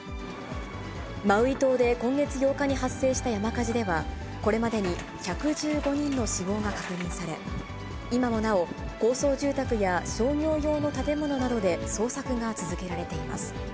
マウイ島で今月８日に発生した山火事では、これまでに１１５人の死亡が確認され、今もなお、高層住宅や商業用の建物などで捜索が続けられています。